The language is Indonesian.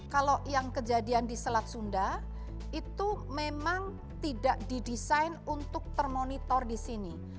kalau yang kejadian di selat sunda itu memang tidak didesain untuk termonitor di sini